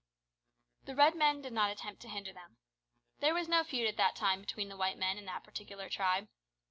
The Red men did not attempt to hinder them. There was no feud at that time between the white men and that particular tribe.